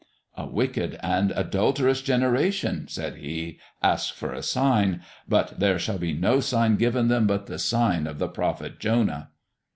'A wicked and adulterous generation,' said He, 'ask for a sign, but there shall be no sign given them but the sign of the prophet Jonah.'"